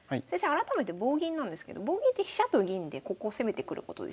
改めて棒銀なんですけど棒銀って飛車と銀でここを攻めてくることですか？